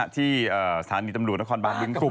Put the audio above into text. ที่สถานีตำรวจแล้วคอนบานรุงคุม